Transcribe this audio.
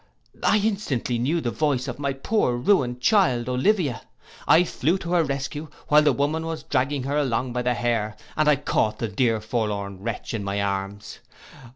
I instantly knew the voice of my poor ruined child Olivia. I flew to her rescue, while the woman was dragging her along by the hair, and I caught the dear forlorn wretch in my arms.